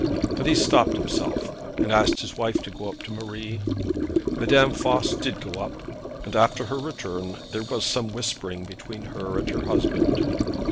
But he stopped himself, and asked his wife to go up to Marie. Madame Voss did go up, and after her return there was some whispering between her and her husband.